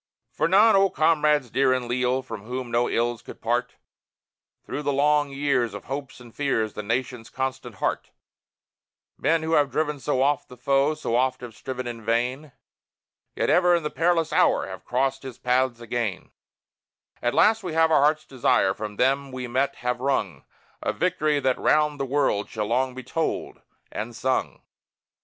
For none, O comrades dear and leal, from whom no ills could part, Through the long years of hopes and fears, the nation's constant heart, Men who have driven so oft the foe, so oft have striven in vain, Yet ever in the perilous hour have crossed his path again, At last we have our hearts' desire, from them we met have wrung A victory that round the world shall long be told and sung!